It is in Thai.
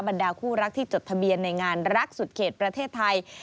ดาคู่รักที่จดทะเบียนในงานรักสุดเขตประเทศไทย